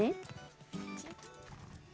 こっち？